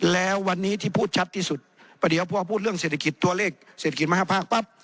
แล้ววันนี้ที่พูดชัดที่สุดประเดี๋ยวพอพูดเรื่องเศรษฐกิจตัวเลขเศรษฐกิจมา๕ภาคปั๊บ